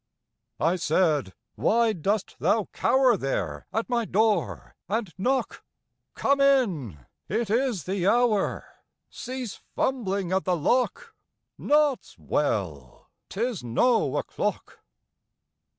I said, _Why dost thou cower There at my door and knock? Come in! It is the hour! Cease fumbling at the lock! Naught's well! 'Tis no o'clock!